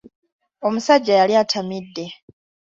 Omusajja yali atamidde